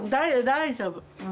大丈夫。